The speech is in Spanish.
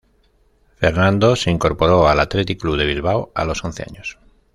Fernando se incorporó al Athletic Club de Bilbao a los once años.